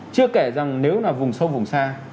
chưa kể rằng nếu là vùng sâu vùng xa